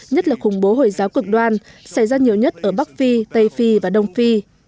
nhất là khủng bố hồi giáo cực đoan xảy ra nhiều nhất ở bắc phi tây phi và đông phi